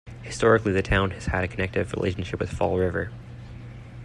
Historically, the town has had a connective relationship with Fall River.